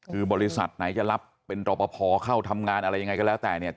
คือบริษัทไหนจะรับเป็นรอปภเข้าทำงานอะไรยังไงก็แล้วแต่เนี่ย